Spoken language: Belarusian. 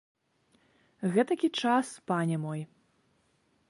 Гэтакі час, пане мой.